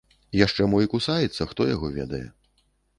Яшчэ мо і кусаецца, хто яго ведае.